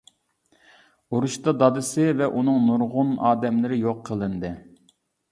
ئۇرۇشتا دادىسى ۋە ئۇنىڭ نۇرغۇن ئادەملىرى يوق قىلىندى.